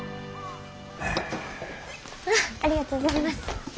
ありがとうございます。